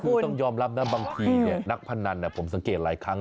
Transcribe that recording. คือต้องยอมรับนะบางทีนักพนันผมสังเกตหลายครั้ง